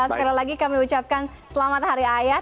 sekali lagi kami ucapkan selamat hari ayah